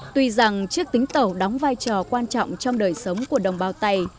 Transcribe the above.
tuy rằng chiếc tính tẩu đóng vai trò quan trọng trong đời sống của đồng bào tây